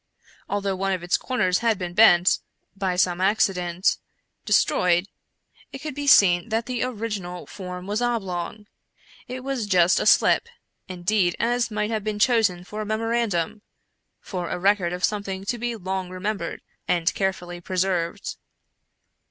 Although one of its corners had been, by some accident, destroyed, it could be seen that the original form was oblong. It was just such a slip, indeed, as might have been chosen for a memorandum — for a record of something to be long remembered, and carefully pre served."